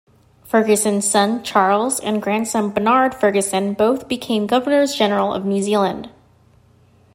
Fergusson's son Charles and grandson Bernard Fergusson both became Governors-General of New Zealand.